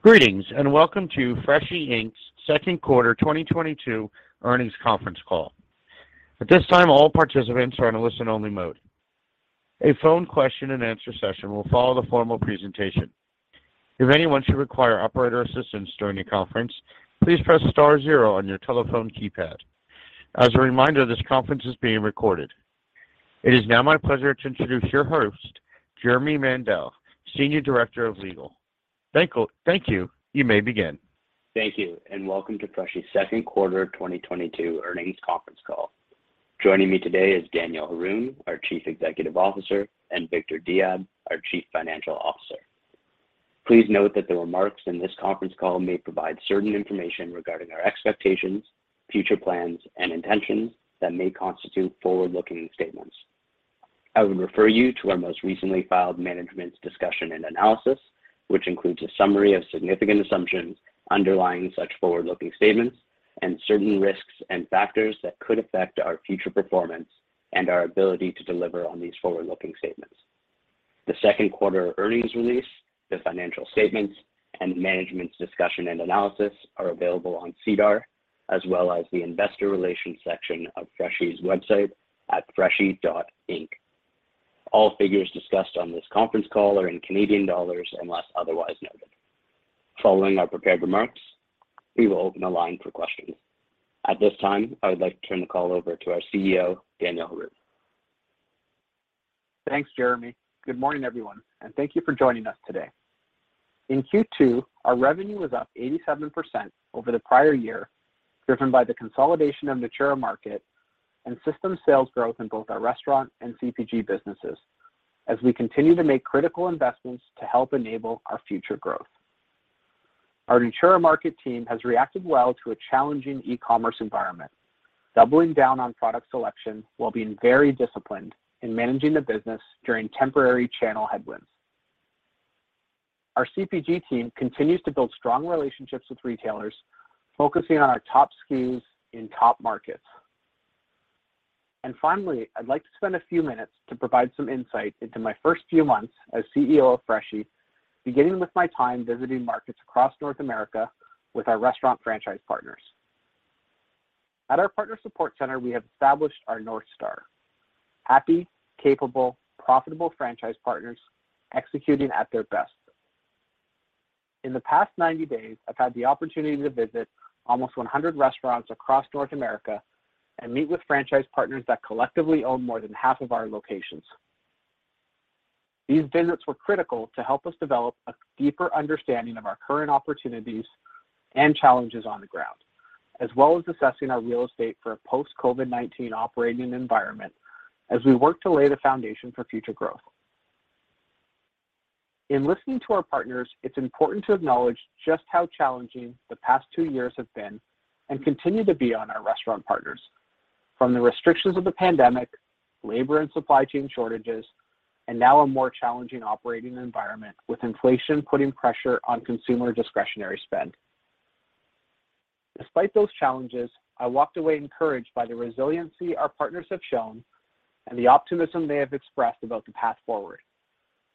Greetings, and welcome to Freshii Inc.'s second quarter 2022 earnings conference call. At this time, all participants are in a listen-only mode. A phone question-and-answer session will follow the formal presentation. If anyone should require operator assistance during the conference, please press star zero on your telephone keypad. As a reminder, this conference is being recorded. It is now my pleasure to introduce your host, Jeremy Mandell, Senior Director, Legal. Thank you. You may begin. Thank you, and welcome to Freshii's second quarter of 2022 earnings conference call. Joining me today is Daniel Haroun, our Chief Executive Officer, and Victor Diab, our Chief Financial Officer. Please note that the remarks in this conference call may provide certain information regarding our expectations, future plans, and intentions that may constitute forward-looking statements. I would refer you to our most recently filed management's discussion and analysis, which includes a summary of significant assumptions underlying such forward-looking statements and certain risks and factors that could affect our future performance and our ability to deliver on these forward-looking statements. The second quarter earnings release, the financial statements, and management's discussion and analysis are available on SEDAR as well as the investor relations section of Freshii's website at freshii.inc. All figures discussed on this conference call are in Canadian dollars unless otherwise noted. Following our prepared remarks, we will open the line for questions. At this time, I would like to turn the call over to our CEO, Daniel Haroun. Thanks, Jeremy. Good morning, everyone, and thank you for joining us today. In Q2, our revenue was up 87% over the prior year, driven by the consolidation of Natura Market and system sales growth in both our restaurant and CPG businesses as we continue to make critical investments to help enable our future growth. Our Natura Market team has reacted well to a challenging e-commerce environment, doubling down on product selection while being very disciplined in managing the business during temporary channel headwinds. Our CPG team continues to build strong relationships with retailers, focusing on our top SKUs in top markets. Finally, I'd like to spend a few minutes to provide some insight into my first few months as Chief Executive Officer of Freshii, beginning with my time visiting markets across North America with our restaurant franchise partners. At our Partner Support Center, we have established our North Star: happy, capable, profitable franchise partners executing at their best. In the past 90 days, I've had the opportunity to visit almost 100 restaurants across North America and meet with franchise partners that collectively own more than half of our locations. These visits were critical to help us develop a deeper understanding of our current opportunities and challenges on the ground, as well as assessing our real estate for a post-COVID-19 operating environment as we work to lay the foundation for future growth. In listening to our partners, it's important to acknowledge just how challenging the past two years have been and continue to be on our restaurant partners. From the restrictions of the pandemic, labor and supply chain shortages, and now a more challenging operating environment with inflation putting pressure on consumer discretionary spend. Despite those challenges, I walked away encouraged by the resiliency our partners have shown and the optimism they have expressed about the path forward,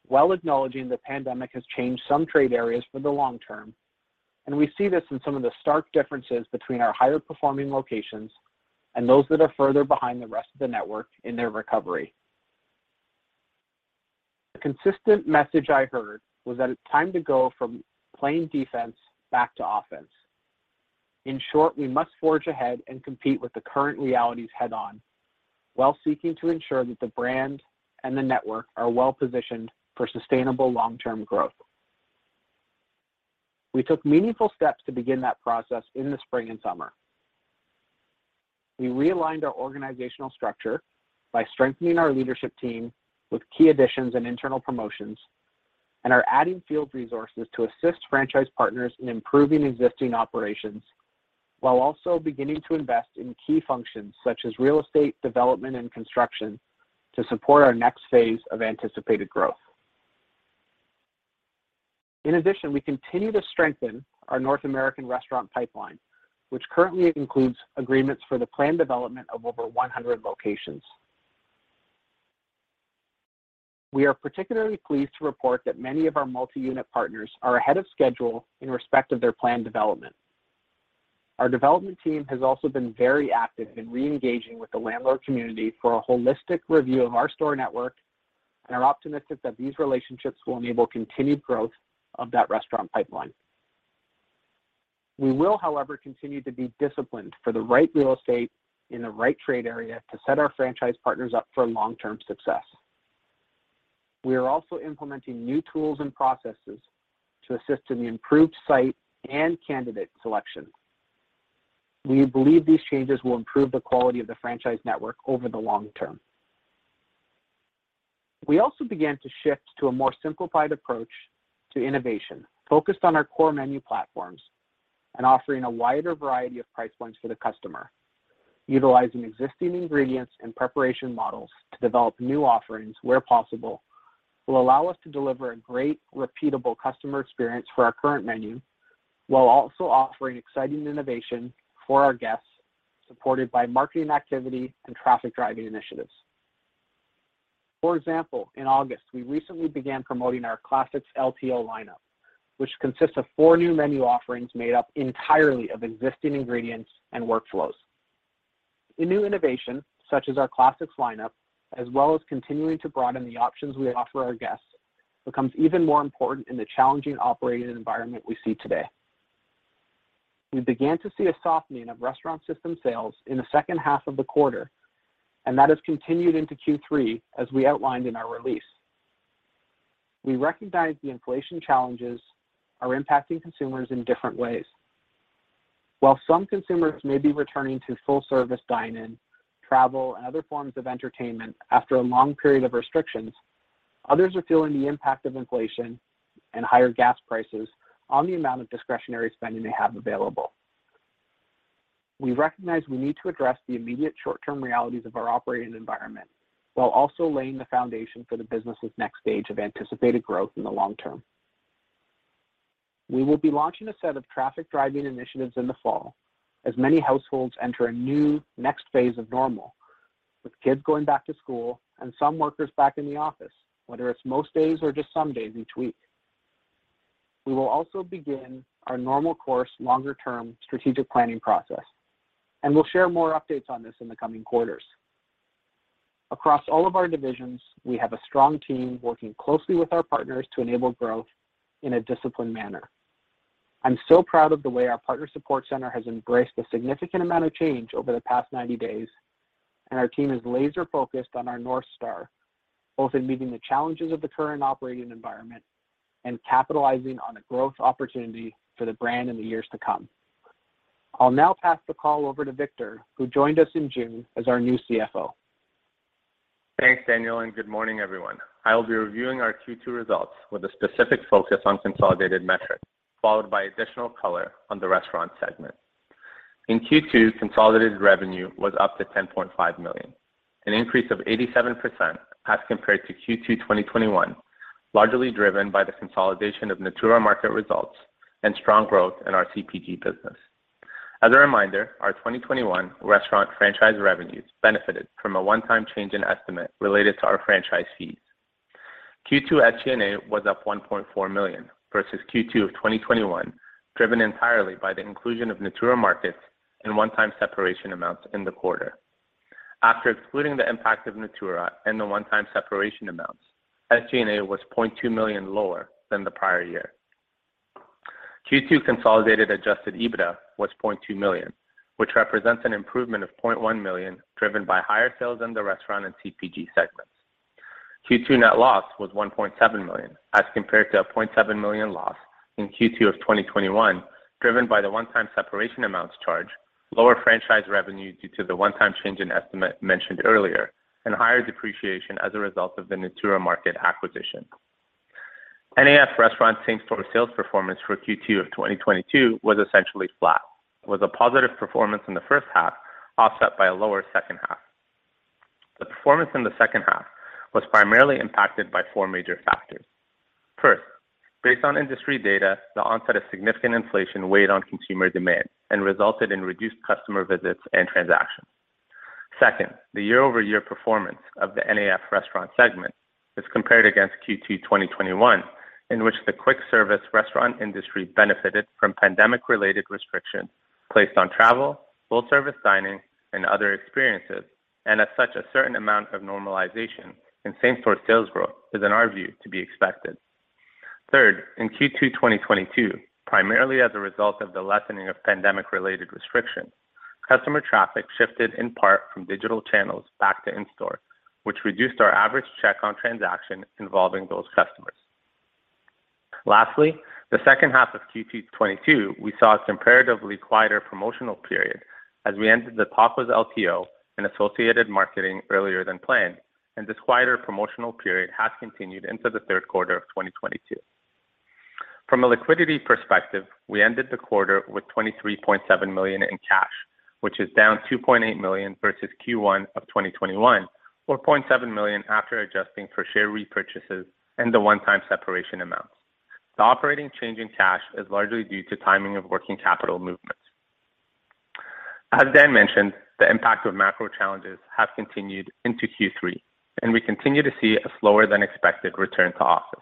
while acknowledging the pandemic has changed some trade areas for the long term, and we see this in some of the stark differences between our higher performing locations and those that are further behind the rest of the network in their recovery. The consistent message I heard was that it's time to go from playing defense back to offense. In short, we must forge ahead and compete with the current realities head on while seeking to ensure that the brand and the network are well-positioned for sustainable long-term growth. We took meaningful steps to begin that process in the spring and summer. We realigned our organizational structure by strengthening our leadership team with key additions and internal promotions and are adding field resources to assist franchise partners in improving existing operations while also beginning to invest in key functions such as real estate development and construction to support our next phase of anticipated growth. In addition, we continue to strengthen our North American restaurant pipeline, which currently includes agreements for the planned development of over 100 locations. We are particularly pleased to report that many of our multi-unit partners are ahead of schedule in respect of their planned development. Our development team has also been very active in reengaging with the landlord community for a holistic review of our store network and are optimistic that these relationships will enable continued growth of that restaurant pipeline. We will, however, continue to be disciplined for the right real estate in the right trade area to set our franchise partners up for long-term success. We are also implementing new tools and processes to assist in the improved site and candidate selection. We believe these changes will improve the quality of the franchise network over the long term. We also began to shift to a more simplified approach to innovation, focused on our core menu platforms and offering a wider variety of price points for the customer. Utilizing existing ingredients and preparation models to develop new offerings where possible will allow us to deliver a great repeatable customer experience for our current menu while also offering exciting innovation for our guests, supported by marketing activity and traffic-driving initiatives. For example, in August, we recently began promoting our classics LTO lineup, which consists of four new menu offerings made up entirely of existing ingredients and workflows. A new innovation such as our classics lineup, as well as continuing to broaden the options we offer our guests, becomes even more important in the challenging operating environment we see today. We began to see a softening of restaurant system sales in the second half of the quarter, and that has continued into Q3 as we outlined in our release. We recognize the inflation challenges are impacting consumers in different ways. While some consumers may be returning to full service dine-in, travel, and other forms of entertainment after a long period of restrictions, others are feeling the impact of inflation and higher gas prices on the amount of discretionary spending they have available. We recognize we need to address the immediate short-term realities of our operating environment while also laying the foundation for the business' next stage of anticipated growth in the long term. We will be launching a set of traffic-driving initiatives in the fall as many households enter a new next phase of normal, with kids going back to school and some workers back in the office, whether it's most days or just some days each week. We will also begin our normal course longer-term strategic planning process, and we'll share more updates on this in the coming quarters. Across all of our divisions, we have a strong team working closely with our partners to enable growth in a disciplined manner. I'm so proud of the way our Partner Support Center has embraced a significant amount of change over the past 90 days, and our team is laser-focused on our North Star, both in meeting the challenges of the current operating environment and capitalizing on a growth opportunity for the brand in the years to come. I'll now pass the call over to Victor Diab, who joined us in June as our new Chief Financial Officer. Thanks, Daniel, and good morning, everyone. I will be reviewing our Q2 results with a specific focus on consolidated metrics, followed by additional color on the restaurant segment. In Q2, consolidated revenue was up to 10.5 million, an increase of 87% as compared to Q2 2021, largely driven by the consolidation of Natura Market results and strong growth in our CPG business. As a reminder, our 2021 restaurant franchise revenues benefited from a one-time change in estimate related to our franchise fees. Q2 SG&A was up 1.4 million versus Q2 of 2021, driven entirely by the inclusion of Natura Market and one-time separation amounts in the quarter. After excluding the impact of Natura and the one-time separation amounts, SG&A was 0.2 million lower than the prior year. Q2 consolidated Adjusted EBITDA was 0.2 million, which represents an improvement of 0.1 million, driven by higher sales in the restaurant and CPG segments. Q2 net loss was 1.7 million, as compared to a 0.7 million loss in Q2 of 2021, driven by the one-time separation amounts charge, lower franchise revenue due to the one-time change in estimate mentioned earlier, and higher depreciation as a result of the Natura Market acquisition. NAF Restaurants same-store sales performance for Q2 of 2022 was essentially flat, with a positive performance in the first half offset by a lower second half. The performance in the second half was primarily impacted by four major factors. First, based on industry data, the onset of significant inflation weighed on consumer demand and resulted in reduced customer visits and transactions. Second, the year-over-year performance of the NAF Restaurant segment is compared against Q2 2021, in which the quick service restaurant industry benefited from pandemic-related restrictions placed on travel, full-service dining, and other experiences, and as such, a certain amount of normalization in same-store sales growth is, in our view, to be expected. Third, in Q2 2022, primarily as a result of the lessening of pandemic-related restrictions, customer traffic shifted in part from digital channels back to in-store, which reduced our average check on transactions involving those customers. Lastly, the second half of Q2 2022, we saw a comparatively quieter promotional period as we ended the TTacos LTO and associated marketing earlier than planned, and this quieter promotional period has continued into the third quarter of 2022. From a liquidity perspective, we ended the quarter with 23.7 million in cash, which is down 2.8 million versus Q1 of 2021, or 0.7 million after adjusting for share repurchases and the one-time separation amounts. The operating change in cash is largely due to timing of working capital movements. As Dan mentioned, the impact of macro challenges have continued into Q3, and we continue to see a slower than expected return to office.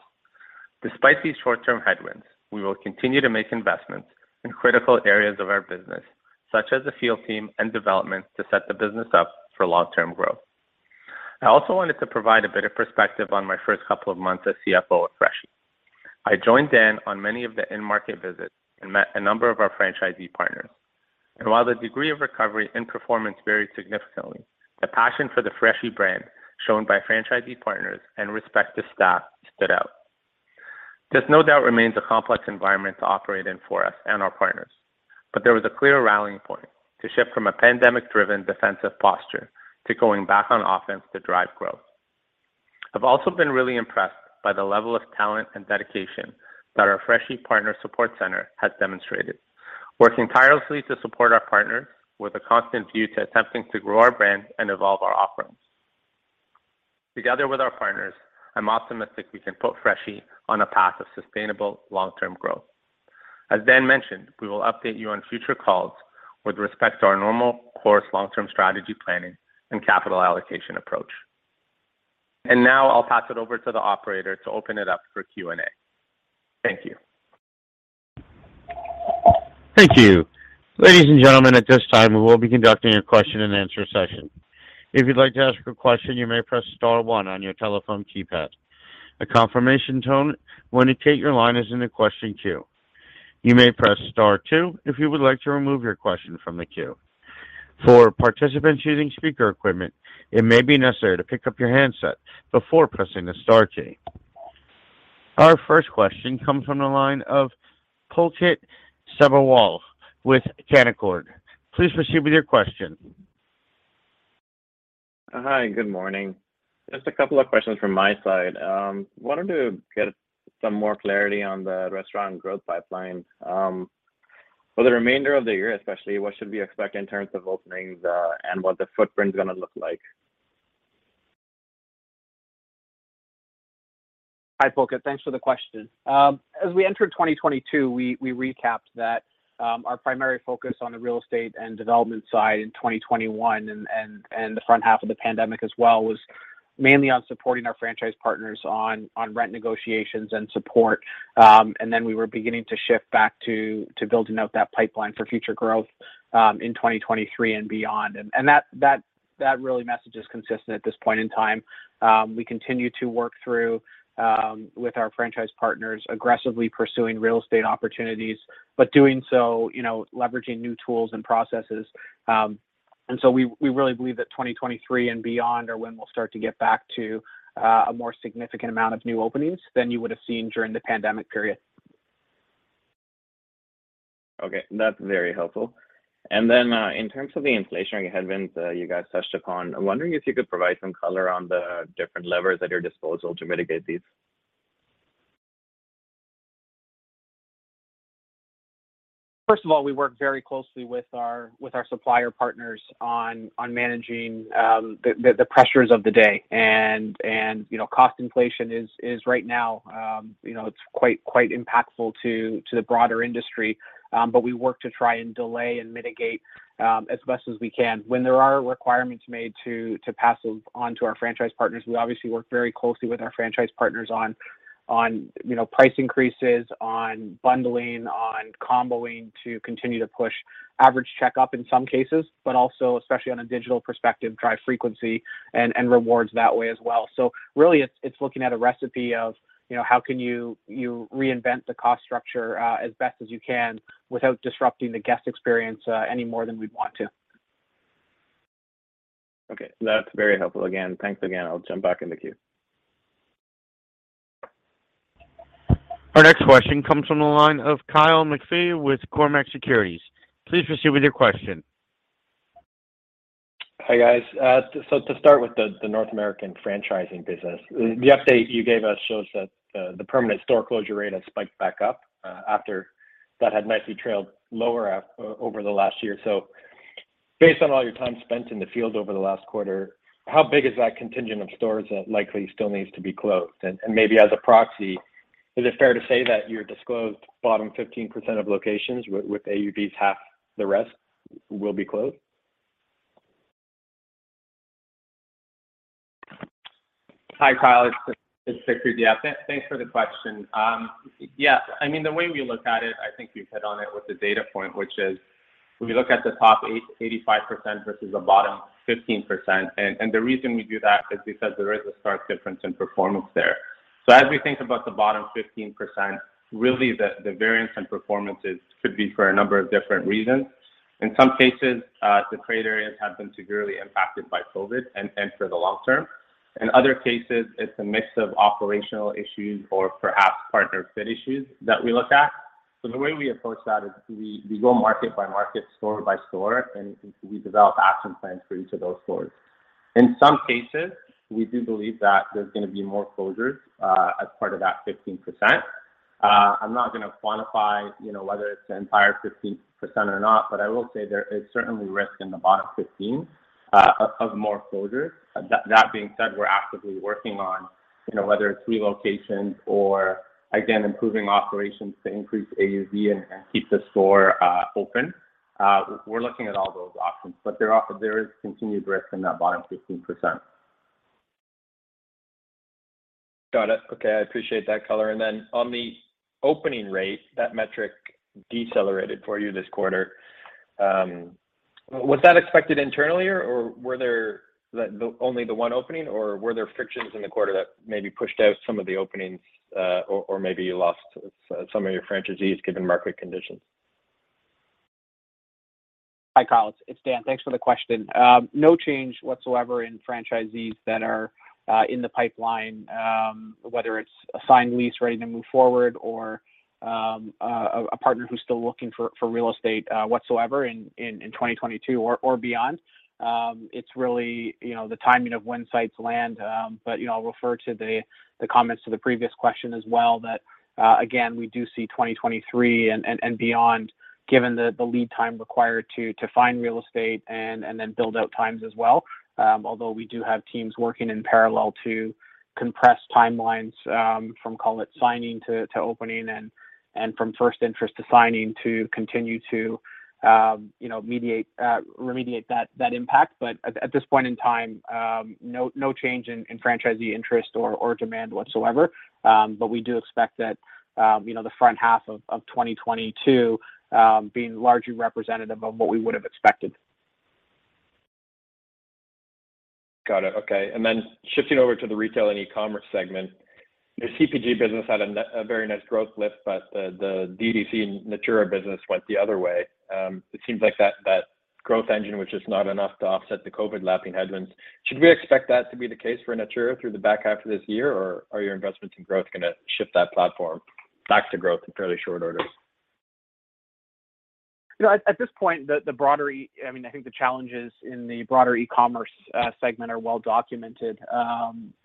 Despite these short-term headwinds, we will continue to make investments in critical areas of our business, such as the field team and development, to set the business up for long-term growth. I also wanted to provide a bit of perspective on my first couple of months as Chief Financial Officer at Freshii. I joined Dan on many of the in-market visits and met a number of our franchisee partners. While the degree of recovery and performance varied significantly, the passion for the Freshii brand shown by franchisee partners and respective staff stood out. This no doubt remains a complex environment to operate in for us and our partners. There was a clear rallying point to shift from a pandemic-driven defensive posture to going back on offense to drive growth. I've also been really impressed by the level of talent and dedication that our Freshii Partner Support Center has demonstrated, working tirelessly to support our partners with a constant view to attempting to grow our brand and evolve our offerings. Together with our partners, I'm optimistic we can put Freshii on a path of sustainable long-term growth. As Dan mentioned, we will update you on future calls with respect to our normal course long-term strategy planning and capital allocation approach. Now I'll pass it over to the operator to open it up for Q&A. Thank you. Thank you. Ladies and gentlemen, at this time, we will be conducting a question and answer session. If you'd like to ask a question, you may press star one on your telephone keypad. A confirmation tone will indicate your line is in the question queue. You may press star two if you would like to remove your question from the queue. For participants using speaker equipment, it may be necessary to pick up your handset before pressing the star key. Our first question comes from the line of Pulkit Sawhney with Canaccord. Please proceed with your question. Hi, good morning. Just a couple of questions from my side. Wanted to get some more clarity on the restaurant growth pipeline. For the remainder of the year, especially, what should we expect in terms of openings, and what the footprint's gonna look like? Hi, Pulkit. Thanks for the question. As we enter 2022, we recapped that our primary focus on the real estate and development side in 2021 and the front half of the pandemic as well was mainly on supporting our franchise partners on rent negotiations and support. Then we were beginning to shift back to building out that pipeline for future growth in 2023 and beyond. That real message is consistent at this point in time. We continue to work with our franchise partners, aggressively pursuing real estate opportunities, but doing so, you know, leveraging new tools and processes. We really believe that 2023 and beyond are when we'll start to get back to a more significant amount of new openings than you would have seen during the pandemic period. Okay, that's very helpful. In terms of the inflationary headwinds that you guys touched upon, I'm wondering if you could provide some color on the different levers at your disposal to mitigate these. First of all, we work very closely with our supplier partners on managing the pressures of the day. You know, cost inflation is right now, you know, it's quite impactful to the broader industry. We work to try and delay and mitigate as best as we can. When there are requirements made to pass those on to our franchise partners, we obviously work very closely with our franchise partners on, you know, price increases, on bundling, on comboing to continue to push average check in some cases, but also especially on a digital perspective, drive frequency and rewards that way as well. Really it's looking at a recipe of, you know, how can you reinvent the cost structure as best as you can without disrupting the guest experience any more than we'd want to. Okay, that's very helpful. Again, thanks again. I'll jump back in the queue. Our next question comes from the line of Kyle McPhee with Cormark Securities. Please proceed with your question. Hi, guys. To start with the North American franchising business, the update you gave us shows that the permanent store closure rate has spiked back up after that had nicely trailed lower over the last year. Based on all your time spent in the field over the last quarter, how big is that contingent of stores that likely still needs to be closed? Maybe as a proxy, is it fair to say that your disclosed bottom 15% of locations with AUVs half the rest will be closed? Hi, Kyle. It's Victor Diab. Yeah, thanks for the question. Yeah, I mean, the way we look at it, I think you've hit on it with the data point, which is we look at the top 85% versus the bottom 15%. The reason we do that is because there is a stark difference in performance there. As we think about the bottom 15%, really the variance in performances could be for a number of different reasons. In some cases, the trade areas have been severely impacted by COVID and for the long term. In other cases, it's a mix of operational issues or perhaps partner fit issues that we look at. The way we approach that is we go market by market, store by store, and we develop action plans for each of those stores. In some cases, we do believe that there's gonna be more closures as part of that 15%. I'm not gonna quantify, you know, whether it's the entire 15% or not, but I will say there is certainly risk in the bottom 15 of more closures. That being said, we're actively working on, you know, whether it's relocations or again, improving operations to increase AUV and keep the store open. We're looking at all those options, but there is continued risk in that bottom 15%. Got it. Okay, I appreciate that color. On the opening rate, that metric decelerated for you this quarter. Was that expected internally, or were there like only the one opening, or were there frictions in the quarter that maybe pushed out some of the openings, or maybe you lost some of your franchisees given market conditions? Hi, Kyle. It's Dan. Thanks for the question. No change whatsoever in franchisees that are in the pipeline, whether it's a signed lease ready to move forward or a partner who's still looking for real estate whatsoever in 2022 or beyond. It's really, you know, the timing of when sites land. You know, I'll refer to the comments to the previous question as well that again, we do see 2023 and beyond given the lead time required to find real estate and then build out times as well. Although we do have teams working in parallel to compress timelines from call it signing to opening and from first interest to signing to continue to you know remediate that impact. At this point in time, no change in franchisee interest or demand whatsoever. We do expect that, you know, the front half of 2022 being largely representative of what we would have expected. Got it. Okay. Shifting over to the retail and e-commerce segment, the CPG business had a very nice growth lift, but the DTC Natura business went the other way. It seems like that growth engine was just not enough to offset the COVID lapping headwinds. Should we expect that to be the case for Natura through the back half of this year, or are your investments in growth gonna shift that platform back to growth in fairly short order? You know, at this point, I mean, I think the challenges in the broader e-commerce segment are well documented.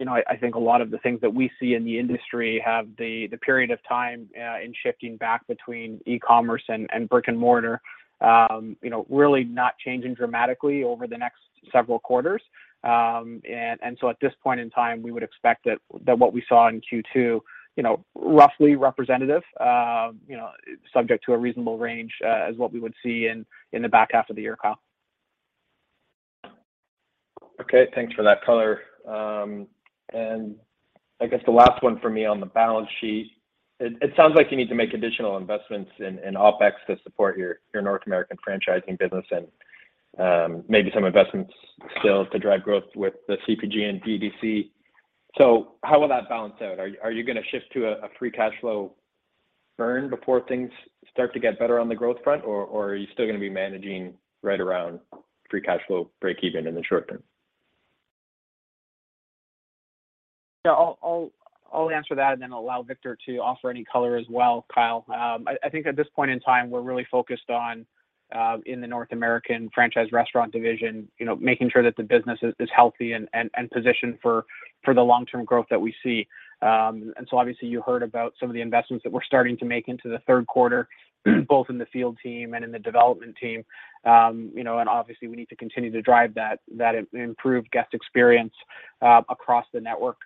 You know, I think a lot of the things that we see in the industry in shifting back between e-commerce and brick and mortar, you know, really not changing dramatically over the next several quarters. At this point in time, we would expect that what we saw in Q2, you know, roughly representative, you know, subject to a reasonable range, as what we would see in the back half of the year, Kyle. Okay. Thanks for that color. I guess the last one for me on the balance sheet. It sounds like you need to make additional investments in OpEx to support your North American franchising business and maybe some investments still to drive growth with the CPG and DTC. How will that balance out? Are you gonna shift to a free cash flow burn before things start to get better on the growth front, or are you still gonna be managing right around free cash flow breakeven in the short term? Yeah. I'll answer that and then allow Victor to offer any color as well, Kyle. I think at this point in time, we're really focused on in the North American franchise restaurant division, you know, making sure that the business is healthy and positioned for the long-term growth that we see. Obviously, you heard about some of the investments that we're starting to make into the third quarter, both in the field team and in the development team. You know, obviously, we need to continue to drive that improved guest experience across the network.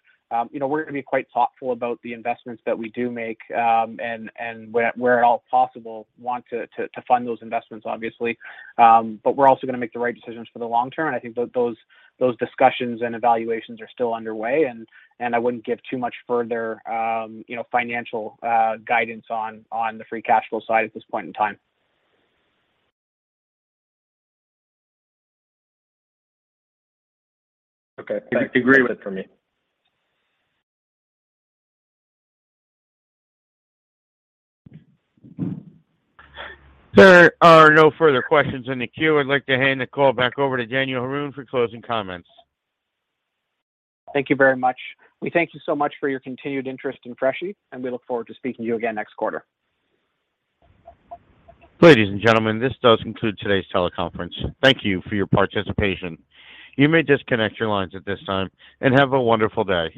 You know, we're gonna be quite thoughtful about the investments that we do make, and where at all possible want to fund those investments, obviously. We're also gonna make the right decisions for the long term, and I think those discussions and evaluations are still underway, and I wouldn't give too much further, you know, financial guidance on the free cash flow side at this point in time. Okay. That's great for me. There are no further questions in the queue. I'd like to hand the call back over to Daniel Haroun for closing comments. Thank you very much. We thank you so much for your continued interest in Freshii, and we look forward to speaking to you again next quarter. Ladies and gentlemen, this does conclude today's teleconference. Thank you for your participation. You may disconnect your lines at this time, and have a wonderful day.